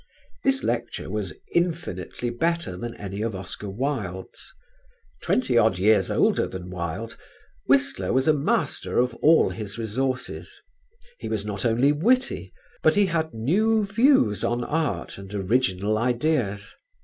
This lecture was infinitely better than any of Oscar Wilde's. Twenty odd years older than Wilde, Whistler was a master of all his resources: he was not only witty, but he had new views on art and original ideas.